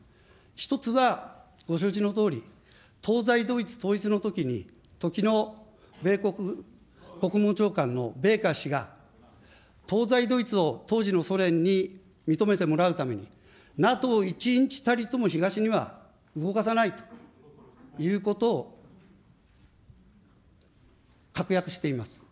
１つはご承知のとおり、東西ドイツ統一のときに時の米国国務長官の氏が当時のソ連に認めてもらうために、ＮＡＴＯを１日たりとも東には動かさないということを確約しています。